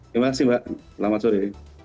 terima kasih mbak selamat sore